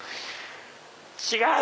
違う！